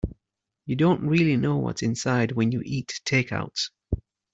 You don't really know what's inside when you eat takeouts.